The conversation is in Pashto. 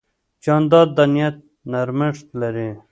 جانداد د نیت نرمښت لري.